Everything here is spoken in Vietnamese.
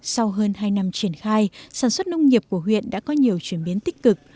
sau hơn hai năm triển khai sản xuất nông nghiệp của huyện đã có nhiều chuyển biến tích cực